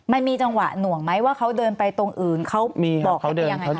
มันมีจังหวะหน่วงไหมว่าเขาเดินไปตรงอื่นเขาบอกอย่างไรครับ